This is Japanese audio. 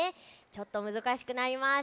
ちょっとむずかしくなります。